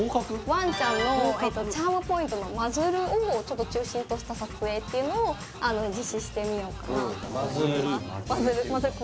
ワンちゃんのチャームポイントのマズルをちょっと中心とした撮影っていうのを実施してみようかなとマズルマズル